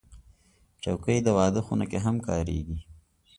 چوکۍ د واده خونه کې هم کارېږي.